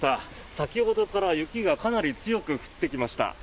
先ほどから雪がかなり強く降ってきました。